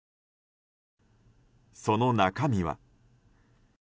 その中身は。